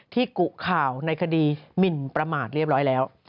กุข่าวในคดีหมินประมาทเรียบร้อยแล้ว